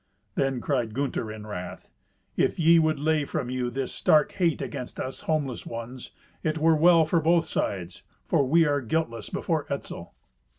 Then cried Gunther in wrath, "If ye would lay from you this stark hate against us homeless ones, it were well for both sides, for we are guiltless before Etzel."